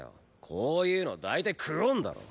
こういうの大体久遠だろ？